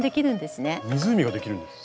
湖ができるんです？